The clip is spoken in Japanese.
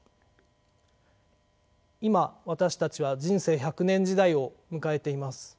今私たちは人生１００年時代を迎えています。